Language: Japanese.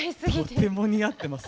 とっても似合ってます。